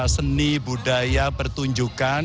seni budaya pertunjukan